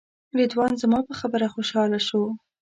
رضوان زما په خبره خوشاله شو.